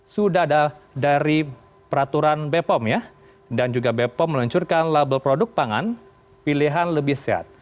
sudah ada dari peraturan bepom ya dan juga bepom meluncurkan label produk pangan pilihan lebih sehat